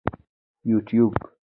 یوټیوب